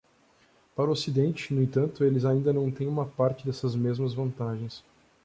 Para o Ocidente, no entanto, eles ainda não têm uma parte dessas mesmas vantagens.